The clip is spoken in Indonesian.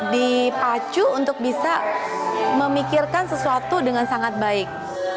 sistem brain kita dipacu untuk bisa memikirkan sesuatu dengan sangat baik